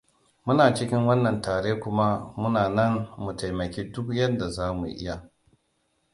Muna cikin wannan tare kuma muna nan mu taimaki duk yadda za mu iya.